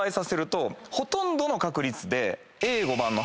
ほとんどの確率で。